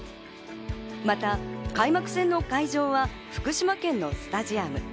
また開幕戦の会場は福島県のスタジアム。